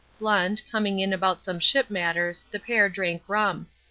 Blunt, coming in about some ship matters, the pair drank rum.